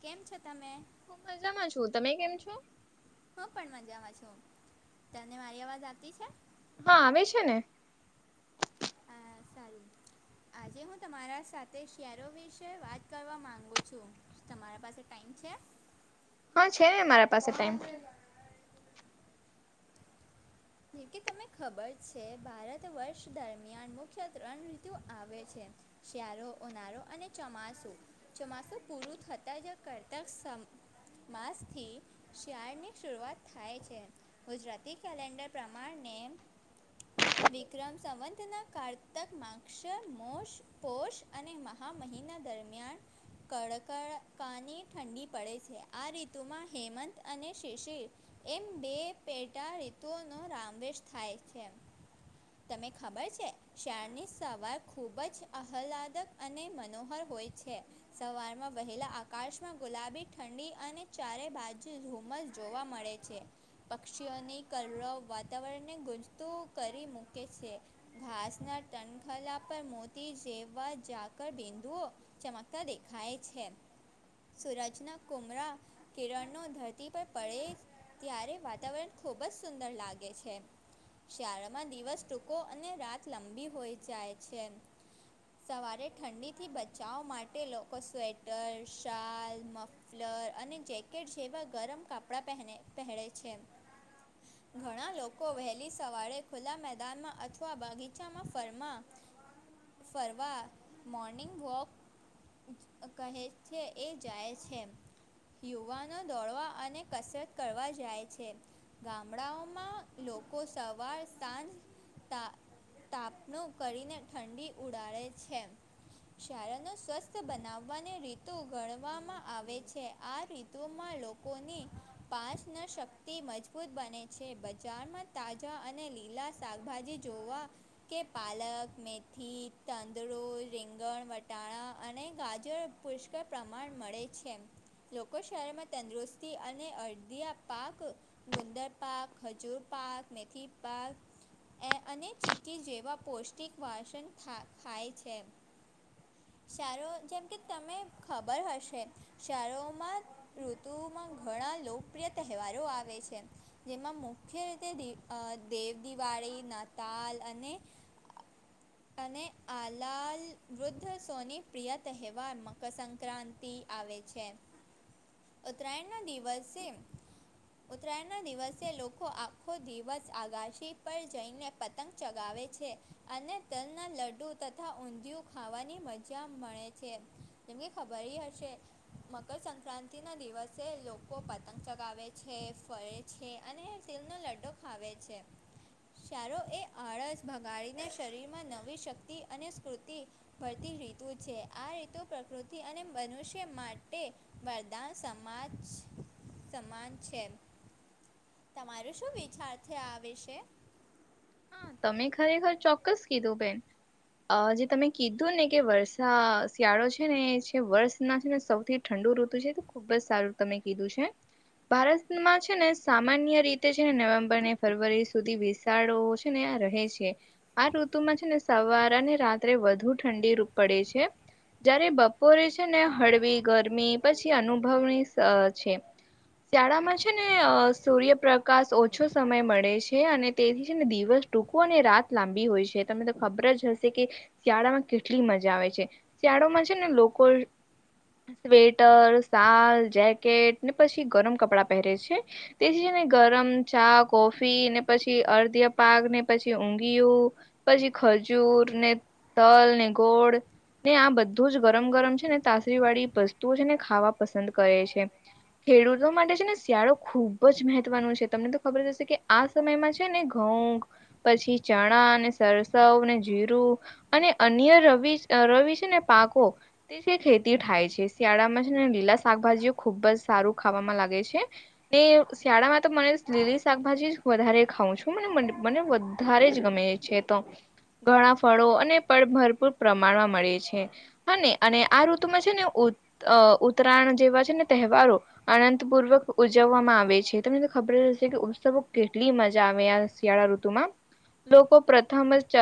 કેમ છો તમે હું મજામાં છું તમે કેમ છો હું પણ મજામાં છું તને મારી અવાજ આવ તી છે હા આવે છે ને આ સારીું [unintelligible] આજે હું તમારા સાથે શિયારો વિશે વાત કરવા માગું છું તમારા પાસે ટાઈમ છે હા છે ને મા રા પાસે ટાઈમ જોકે તને ખબર છે ભારત વર્ષ દરમિયાન મુખ્ય ત્રણ ઋતુ આવે છે શ્યારો ઓનારો અને ચોમાસું ચોમાસું પૂરું થતા જ કરતા માસથી શિયાળની શરૂઆત થાય છે ગુજરાતી કેલેન્ડર પ્રમાણનેમ વિક્રમ સંવંતના કારતક માગશર મોશ પોષ અને મહા મહિના દરમિયાન કડકડકાની ઠંડી પડે છે આ ઋતુમાં હેમંત અને શિષિર એમ બે પેટા ઋતુનો રામવેશ થાય છે. તને ખબર છે શેરની સવાર ખૂબ જ આહલાદક અને મનોહર હોય છે. સવારમાં વહેલા આકાશમાં ગુલાબી ઠંડી અને ચારે ભાજુ ધૂમસ જોવા મળે છે. પક્ષીઓની કલરવ વાતાવરણ ને ગુંજતું કરી મૂકે છે. ઘાસના ટણખલા પર મોતી જેવવા જાકર બિંદુઓ ચમકતા દેખાય છે. સૂરજના કુમરા કિરણો ધરતી પર પડે ત્યારે વાતાવરણ ખૂબ જ સુંદર લાગે છે. શિયાળામાં દિવસ ટૂંકો અને રાત લંબી હોઈ જાય છે. સવારે ઠંડીથી બચાવ માટે લોકો સ્વેટર, શાલ, મફ લર અને જેકેટ જેવા ગરમ કપડાં પહેને પહેરે છે. ઘણા લોકો વહેલી સવારે ખુલ્લા મેદાનમાં અથવા બગીચામાં ફરમા ફરવા મૉર્નિંગ વોક કહે છે એ જાય છે. યુવાનો દોડવા અને કસરત કરવા જાય છે ગામ. ગામડાંઓમાં લોકો સવાર સાંજ તા તાપનું કરીને ઠંડી ઉડાડે છે. શિયાળો ને સ્વસ્થ બનાવવાની ઋતુ ગણવામાં આવે છે આ ઋ તુમાં લોકોની પાસ નો શક્તિ મજબૂત બને છે બજારમાં તાજા અને લીલા શાકભાજી જોવા કે પાલક મેથી તાંદળું રીંગણ વટાણા અને ગાજર પુષ્કળ પ્રમાણ મળે છે. લોકો શહેરમાં તંદુરસ્તી અને અડદિયા પાક ગુંદર પાક ખજૂર પાક મેથી પારક એ અને ચી્કી જેવા પૌષ્ટિક વાસણ ખા ખાય છે. શહેરો જેમ કે તમે ખબર હશે શહેરો મા ઋતુમાં ઘણા લોકપ્રિય તહેવારો આવે છે. જેમાં મુખ્ય રીતે અહ દેવ દિવાળી નતાલ અને [unintelligible] [inaudible] અને આલાલ વૃદ્ધ સોની પ્રિય તહેવાર મકરસંક્રાંતિ આવે છે. [inaudible] ઉત્તરાયણના દિવસે ઉત્તરાયણના દિવસ સે દિવસ લોકો આખો દિવસ આગાશી પર જઈને પતંગ ચગાવે છે. અને તલના લડ્ડુ તથા ઊંધિયું ખાવાની મજા મળે છે. જેમકે ખબર હી હશે મકરસક્રાંતિ ના દિવસે લોકો પતંગ ચગાવે છે ફરે છે. અને તિલનો લડ્ડો ખાવે છે. શિયાળો એ આળસ ભગાડીને શરીરમાં નવી શક્તિ અને સ્કૃતિ ભરતી ઋતુ છે આ રીતુ પ્રકૃતિ અને મનુષ્ય માટે વરદાન સમાજ સામાન છે. તમારો શું વિચાર છે આ વિષય? હા, તમે ખરેખર ચોક્કસ કીધું બેન. અહ જે તમે કીધું ને કે વર્ષા શિયાળો છે ને છે વર્ષના છે ને સૌથી ઠંડુ ઋતુ છે તો ખુબ જ સારું તમે કીધું છે. ભારતમાં છે ને સામાન્ય રીતે છેને નવેમ્બર ને ફેબ્રુઆરી સુધી વિશાળો છે ને આ રહે છે. આ ઋતુમાં છે ને સવાર અને રાત્રે વધુ ઠંડી પડે છે જયારે બપોરે છે ને હળવી ગરમી પછી અનુભવણી છે શિયાળામાં છે ને અ સૂર્યપ્રકાશ ઓછો સમય મળે છે અને તેથી છે ને દિવ દિવસ ટૂંકો અને રાત લાંબી હોય છે તમને તો ખબર જ હશે કે શિયાળામાં કેટલી મજા આવે છે શિયાળોમાં છે ને લોકો સ્વેટર શલ જેકેટ ને પછી ગરમ કપડા પહેરે છે તેથી ને ગરમ ચા કોફી પછી અડધી પાક ને પછી ઊઘિયું પછી ખજૂર ને તલ ને ગોળ ને આ બધું જ ગરમ ગરમ છે ને તાસરી વાળી વસ્તુઓ છે ને ખાવા પસંદ કરે છે ખેડૂતો માટે છે ને શિયાળો ખુબ જ મહત્વનો છે તમને તો ખબર જ હશે કે આ સમયમાં છે ને ઘઉં પછી ચણા અને સરસવ અને જીરું અને અન્ય રવિ રવિ છે ને પાકો તેથી જ ખેતીઓ થાય છે શિયાળામાં છે ને લીલા શાકભાજીઓ ખુબ જ સારું ખાવામાં લાગે છે એ શિયાળામાં તો મને લીલી શાકભાજી વધારે ખાવઉં છું તો મને મ મને વધારે જ ગમે છે તો ઘણા ફળો અને પણ ભરપૂર પ્રમાણમાં મળે છે હા ને અને આ ઋતુમાં છે ને ઓ અ ઉત્તરાયણ જેવા છે ને તહેવારો અનંતપૂર્વક ઉજવવામાં આવે છે તમને તો ખબર જ હશે કે ઉત્સવો કેટલી મજા આવે આ શિયાળા ઋતુમાં લોકો પ્રથમ જ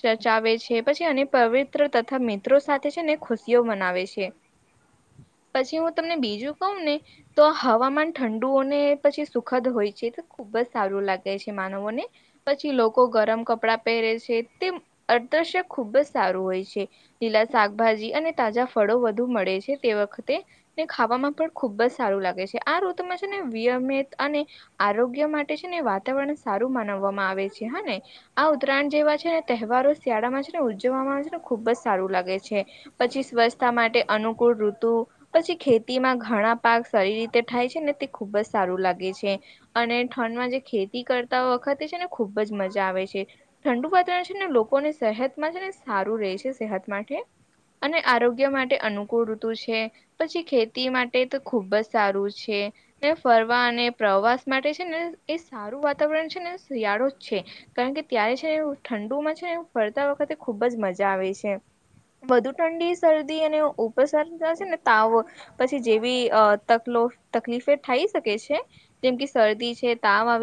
ચર્ચાવે છે પછી અને પવિત્ર તથા મિત્રો સાથે છે ને ખુશીઓ મનાવે છે પછી હું તમને બીજું કઉ ને તો હવામાન ઠંડુ ને પછી સુખદ હોય છે તો ખુબ જ સારું લાગે ગે છે માનવોને પછી લોકો ગરમ કપડા પહેરે છે તે અદ્રશ્ય ખુબ જ સારું હોય છે લીલા શાકભાજી અને તાજા ફળો વધુ મળે છે તે વખતે ને ખાવામાં પણ ખુબ જ સારું લાગે છે આ ઋતુમાં છે ને [unintelligible] અને આરોગ્ય માટે છે ને વાતાવરણ સારું માનાવવામાં આવે છે હા ને આ ઉત્તરાયણ જેવા છે ને તહેવારો શિયાળામાં છે ને ઉજવવામાં આવે છે ને ખુબ જ સારું લાગે છે પછી સ્વચ્છતા માટે અનુકૂળ ઋતુ પછી ખેતીમાં ઘણા પાક સારી રીતે થાય છે ને તે ખુબ જ સારું લાગે છે અને ઠંડમાં જે ખેતી કરતા વખતે છે ને ખુબ જ મજા આવે છે ઠંડુ વાતાવરણ છે ને લોકોને સેહતમાં છે ને સારું રહે છે સેહત માટે અને આરોગ્ય માટે અનુકૂળ ઋતુ છે પછી ખેતી માટે તો ખુબ જ સારું છે ફરવા અને પ્રવાસ માટે છે ને એ સારું વાતાવરણ છે ને શિયાળો જ છે કારણ કે ત્યારે છે ઠંડુમાં છે ફરતા વખતે ખુબ જ મજા આવે છે વધુ ઠંડી શરદી અને ઉપસર થશે ને તાવો પછી જેવીક તકલીફે થાય શકે છે જેમ કે શરદી છે તામ આવે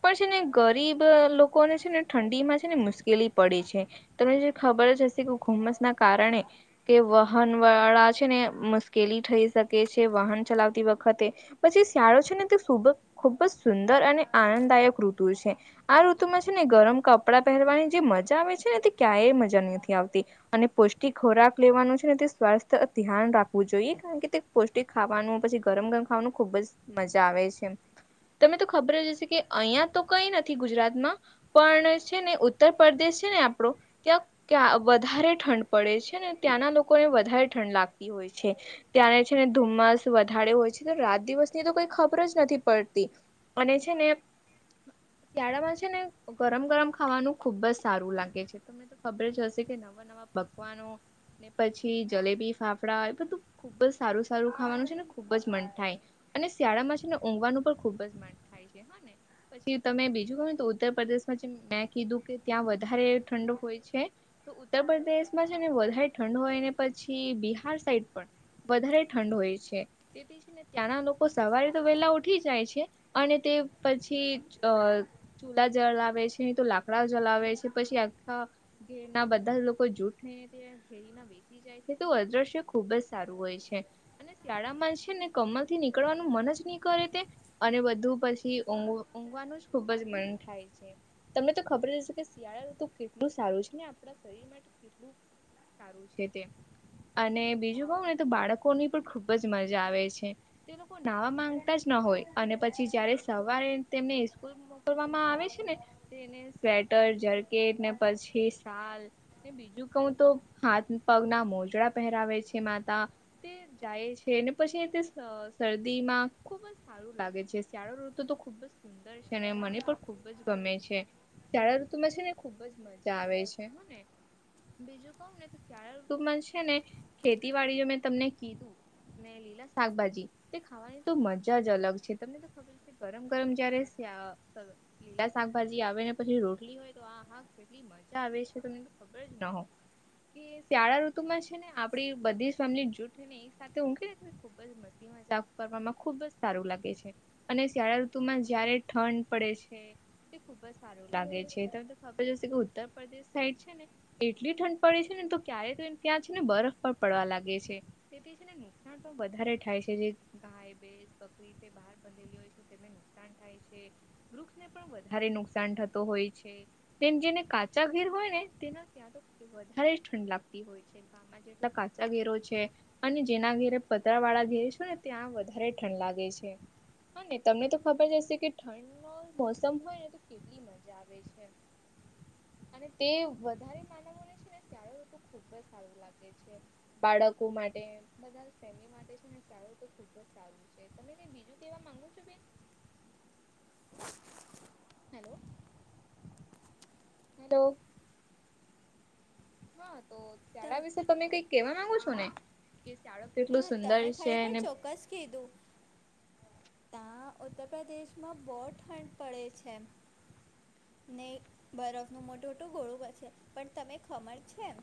પણ છે ને ગરીબ લોકોને છે ને ઠંડી માં છે ને મુશ્કેલી પડે છે તમને જે ખબર જ હશે કે ઘુમ્મસ ના કારણે કે વાહન વાળા છે ને મુશ્કેલી થઈ શકે છે વાહન ચલાવતી વખતે પછી શિયાળો છે ને તે સુબ ખુબ જ સુંદર અને આનંદદાયક ઋતુ છે આ ઋતુમાં છે ને ગરમ કપડાં પહેરવાની જે મજા આવે છે ને તે ક્યાય મજા નથી આવતી અને પૌષ્ટિક ખોરાક લેવાનો છે ને તે સ્વાસ્થ્ય ધ્યાન રાખવું જોઈએ કારણ કે તે પષ્ટિક ખાવાનું પછી ગરમ ગરમ ખાવાનું ખુબ જ મજા આવે છે તમે તો ખબર જ હશે કે અહિયાં તો કઈ નથી ગુજરાતમાં પણ છે ને ઉત્તરપદેશ છે ને આપણો ત્યાં ક્યાં વધારે ઠંડ પડે છે ને ત્યાંના લોકોને વધારે ઠંડ લાગતી હોય છે ત્યાં છે ને ધુમ્મામસ વધારે હોય છે તો રાત દિવસની તો કોઈ ખબર જ નથી પડતી મને છે ને. શિયાળામાં છે ને ગરમ ગરમ ખાવાનું ખુબ જ સારું લાગે છે. તમને તો ખબર જ હશે કે નવા નવા પકવાનો ને, પછી જલેબી ફાફડા એ બધું ખુબ જ સારું સારું ખાવાનું છે ને ખુબ જ મન થાય, અને શિયાળામાં છે ને ઊંઘવાનું પણ ખુબ જ મન થાય. થાય છે હા ને. પછી તમે બીજું કહ ને તો ઉત્તર પ્રદેશમાં જે મેં કીધું કે ત્યાં વધારે ઠંડો હોય છે. તો ઉત્તર પ્રદેશમાં છે ને વધારે ઠંડ હોયને પછી બિહાર સાઈડ પણ. વધારે ઠંડ હોય છે, તેથી છેને ત્યાંના લોકો સવારે તો વહેલા ઉઠી જાય છે. અને તે પછી અ ચૂલા જલાવે છે તો લાકડા જલાવે છે પછી આખા ઘે ના બધા જ લોકો જૂઠ ત સી જાય છે તો અદ્રશ્ય ખુબ જ સારું હોય છે. અને શિયાળામાં છે ને કમલ થી નીકળવાનું મન જ નહીં કરે, તે અને બધ પછી ઊંઘ ઊંઘવાનું જ ખુબ જ મન થાય છે. તમને તો ખબર જ હશે કે શિયાળા ઋતુ કેટલું સારું છે, ને આપણા શરીર માટે કે સારું છે તે. અને બીજું કઉ ને તો બાળકોની પણ ખુબ જ મજા આવે છે. તે લોકો નાવા માંગતા જ ના હોય અને પછી જયારે સવારે તેમને સ્કૂલ મોકલવામાં આવે છે ને. ને સ્વેટર જર્કેટ ને પછી શાલ. બીજું કઉ તો હાથ પગના મોજડા પહેરાવે છે માતા. જાય છે ને પછી તે શરદી માં ખુબ જ સારું લાગે છે. શિયાળો ઋતુ તો ખુબ જ સુંદર છે અને મને પણ ખુબ જ ગમે છે. જાળા ઋતુ માં છે ને ખુબ જ મજા આવે છેને. બીજું ક ને શળા છે ને ખેતીવાડી મેં તમને કીધું. લીલા શાકભાજી, તે ખાવાની તો મજા જ અલગ છે. તમને તો ખબર ગરમ ગરમ જયારે લીલા શાકભાજી આવે ને પછી રોટલી હોય તો કેટલી મજા આવે છે તને તો ખબર જ ન હો. કે શ્યાળા ઋતુમાં છે ને આપડી બધી જ ફેમલી જૂઠ ને એ સાથે ઉકે ખુબ જ મસ્તી મજાક કરવામાં ખુબ જ સારું લાગે છે. અને શ્યાળા ઋતુ માં જયારે ઠંડ પડે છે. ખુબ જ સારું લાગે છે તમને ખબર જશે કે ઉત્તર પ્રદેશ સાઈડ છે ને. એટલી ઠંડ પડે છે ને તો ક્યારે તો ત્યાં છે ને બરફ પણ પડવા લાગે છે, થી નુકસાન તો વધારે થાય છે, જે ગાય બેસ બકરી બાર બ હોય છેને નુકસાન થાય છે, વૃક્ષને વધારે નુકસાન થતો હોય છે, તેમ જેને કાચા ઘીર હોય ને તેના ત્યાં વધારે જ ઠંડ લાગતી હોય છે, ગામમાં જેટલા કાચા ઘેરો છે. અને જેના ઘેરે પતર વાળા ઘેરે છું ને ત્યાં વધારે ઠંડ લાગે છે. હા ને તમને તો ખબર જશે કે ઠંડ ન મોસમ હોય ને તો કેટલી મજા આવે છે. અને તે વધારે માનવોને છે ને શળોઋતુ ખબ જ સારું લાગે છે બાળકો માટે બધા ફેમ માટે છે ને. સારો તો ખુબ જ સારું છે તમે બીજું કેવા માંગુ છો બેન. હેલો. હલો. હા તો તમ શિયાળા વિશે તમે કઈ કેવા માંગો છો ને? શાળો કેટલું હા સુંદર તમે છે ખરેખર અને ચોક્કસ કીધું. ત્યાં ઉત્તર પ્રદેશમાં બહુ ઠંડ પડે છે. ને બરફનું મોટું મોટું ઘોળું બ છે પણ તમે ખમર છે એમ.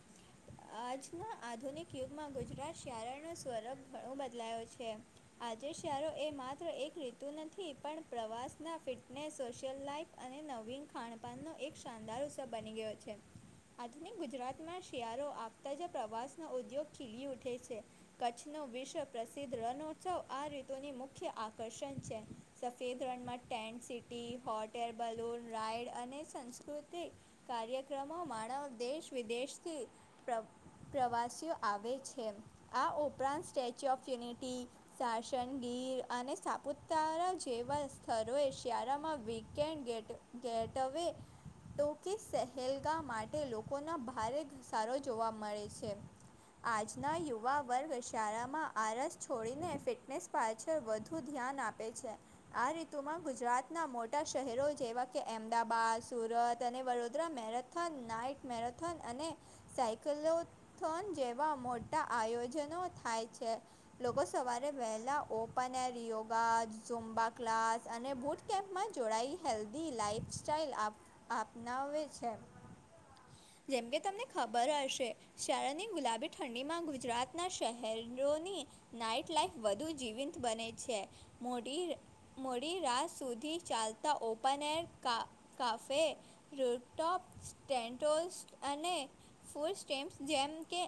આજના આધુનિક યુગમાં ગુજરાત શારાનો સ્વરૂપ ઘણો બદલાયો છે. આજે શહેરો એ માત્ર એક રીતુ નથી પણ પ્રવાસના ફિટનેસ સોશિયલ લાઈફ અને નવીન ખાણપાનનો એક શાનદાર ઉત્સવ બની ગયો છે. આધુનિક ગુજરાતમાં શિયાળો આપતા જ પ્રવાસનો ઉદ્યોગ ખીલી ઉઠે છે. કચ્છનો વિશ્વ પ્રસિદ્ધ રણોત્સવ આ રીધોની મુખ્ય આકર્ષણ છે. સફેદ રણમાં tent city hot air balloon ride અને સંસ્કૃતિક કાર્યક્રમો માનવ દેશ વિદેશથી પ્ર પ્રવાસીઓ આવે છે આ ઉપરાંત statue of unity Sasan Gir અને સાપુતારા જેવા સ્થળોએ શિયાળામાં વીકેન્ડ ગેટ ગેટ અવે તો કે સહેલગા માટે લોકોનો ભારે ઘસારો જોવા મળે છે. આજના નવા વર્ગ શાળામાં આરસ છોડીને ફિટનેસ પાછળ વધુ ધ્યાન આપે છે. આ ઋતુમાં ગુજરાતના મોટા શહેરો જેવા કે અમદાવાાદ સુરત અને Vadodara marathon night marathon અને સાયક્લોથોન જેવા મોટા આયોજનો થાય છે. લોકો સવારે વહેલા ઓપન એર યોગા ઝુંમ્બા ક્લાસ અને બુટ આ કેમ્પમાં જોડાયેલ હેલ્ધી લાાઈફસ્ટાાઈલ અપનાવે છે. જેમકે તમને ખબર હશે શાળાની ગુલાબી ઠંડી માંગુ ગુજરાતનાં શહેરોની નાઈટ લાાઈફ વધુ જીવંત બને છે. મોડી મોડી રાત સુધી ચાલતા ઓપન એર કા કાફે રો ટોપ સ્ટેન્ટો અને ફૂલ સ્ટેમ્સ જેમ કે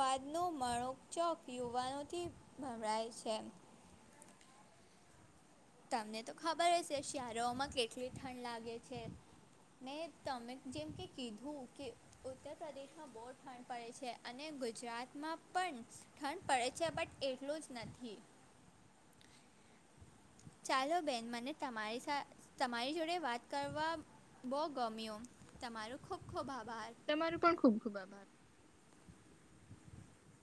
વાદનો મણોકચોક યુવાનોથી ભભળાય છે. તમને તો ખબર હ છે શિયાારોમાં કેટલી ઠંડ લાગે છે. મેં તમે જેમ કે કીધું કે ઉત્તર પ્રદેશમાં બહુ ઠંડ પડે છે અને ગુજરાતમાં પણ ઠંડ પડે છે બટ એટલું જ નથી. ચાલો બેન મને તમારી તમારી જોડે વાત કરવા બહુ ગમ્યું તમારુ ખૂબ ખૂબ આભાર. તમાર પણ ખુબ ખુબ આભાર. [unintelligible]